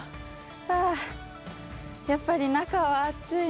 はあやっぱり中は暑いな。